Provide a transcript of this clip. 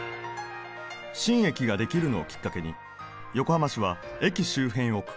新駅ができるのをきっかけに横浜市は駅周辺を区画整理。